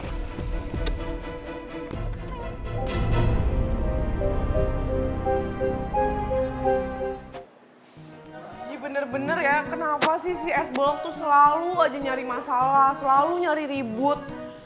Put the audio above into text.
gini bener bener ya kenapa sih si s block tuh selalu aja nyari masalah selalu nyari ribut